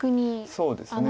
そうですね。